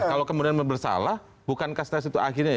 kalau kemudian bersalah bukankah stress itu akhirnya